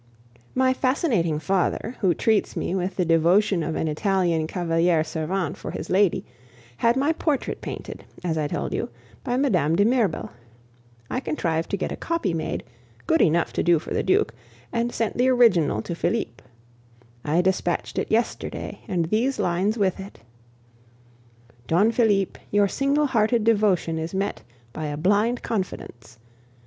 My fascinating father, who treats me with the devotion of an Italian cavaliere servente for his lady, had my portrait painted, as I told you, by Mme. de Mirbel. I contrived to get a copy made, good enough to do for the Duke, and sent the original to Felipe. I despatched it yesterday, and these lines with it: "Don Felipe, your single hearted devotion is met by a blind confidence.